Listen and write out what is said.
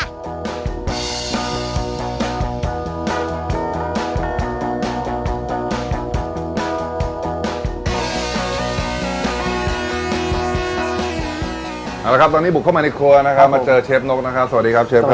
เอาละครับตอนนี้บุกเข้ามาในครัวนะครับมาเจอเชฟนกนะครับสวัสดีครับเชฟครับ